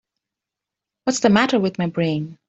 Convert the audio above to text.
What's the matter with my brain?